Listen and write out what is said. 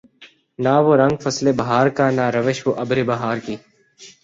نہ وہ رنگ فصل بہار کا نہ روش وہ ابر بہار کی